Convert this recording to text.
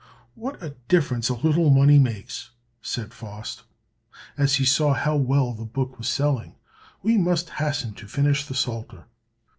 "What a difference a little money makes!" said Faust, as he saw how well the book was selling. "We must hasten to finish the Psalter."